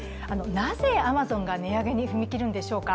なぜアマゾンが値上げに踏み切るんでしょうか